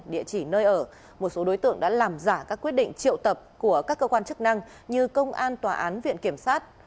địa chỉ nơi ở một số đối tượng đã làm giả các quyết định triệu tập của các cơ quan chức năng như công an tòa án viện kiểm sát